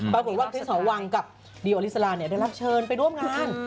บางคนว่าคริสหวังกับดิโอลิซาลาได้รับเชิญไปร่วมงาน